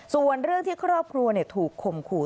ส่วนเรื่องที่ครอบครัวถูกข่มขู่